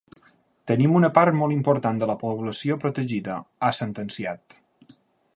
“Tenim una part molt important de la població protegida”, ha sentenciat.